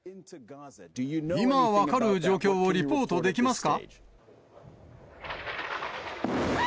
今分かる状況をリポートできますか。